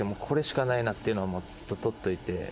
これしかないなっていうのはずっと取っといて。